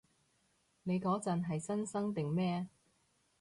你嗰陣係新生定咩？